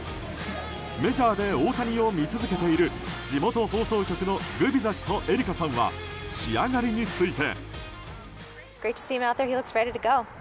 メジャーで大谷を見続けている地元放送局のグビザ氏とエリカさんは仕上がりについて。